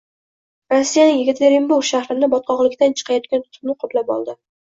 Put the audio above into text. Rossiyaning Yekaterinburg shahrini botqoqlikdan chiqayotgan tutun qoplab oldi